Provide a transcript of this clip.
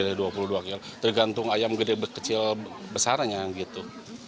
paling gede dua puluh dua kilo tergantung ayam gede kecil besarnya gitu